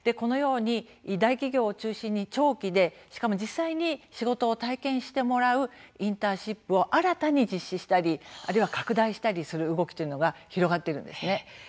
大企業を中心にこのように長期で、しかも実際に仕事を体験してもらうインターンシップを新たに実施したり拡大したりする動きというのが広がっているんです。